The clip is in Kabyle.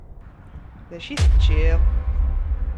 Dacu i teččiḍ?